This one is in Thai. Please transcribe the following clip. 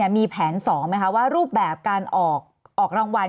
มีแผน๒ไหมคะว่ารูปแบบการออกรางวัล